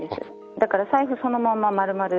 だから財布そのまんま、丸々。